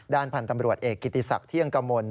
ด้านพันธุ์ตำรวจเอกกิติศักดิ์เที่ยงกะมนต์